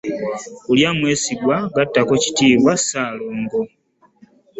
Ku lya Mwesigwa gattako ekitiibwa Ssaalongo.